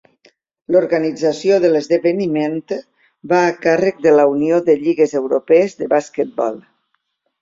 L'organització de l'esdeveniment va a càrrec de la Unió de Lligues Europees de Basquetbol.